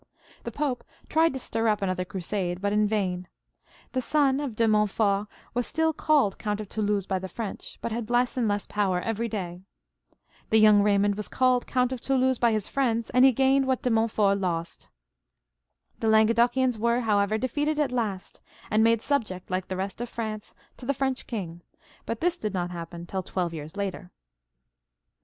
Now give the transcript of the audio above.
The Pope tried to stir up another crusade, but in vain. The son of De Montfort was still called Count of Toulouse by the Frendh, but had less and less power every day. The young Eaymond was called Coimt of Toulouse by his Mends, and he gained what De Montfort lost. The Languedocians weref' however, defeated at last, and made subject like the rest of France to the French king ; but this did not happen tUl twelve years later.